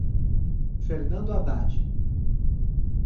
Fernando Haddad